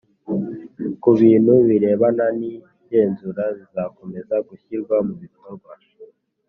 ku bintu birebana nigenzura bizakomeza gushyirwa mu bikorwa